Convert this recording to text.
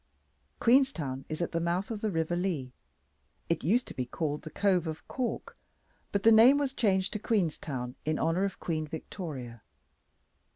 Queenstown is at the mouth of the River Lee. It used to be called the Cove of Cork, but the name was changed to Queenstown in honour of Queen Victoria.